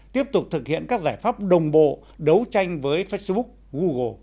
tiếp tục thực hiện các giải pháp đồng bộ đấu tranh với facebook google